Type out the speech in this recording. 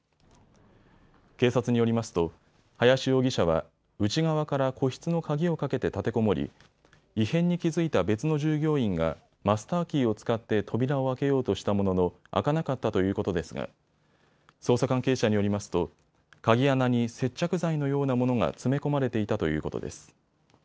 警察によりますと林容疑者は内側から個室の鍵をかけて立てこもり異変に気付いた別の従業員がマスターキーを使って扉を開けようとしたものの開かなかったということですが捜査関係者によりますと鍵穴に接着剤のようなものが詰め込まれていたということです。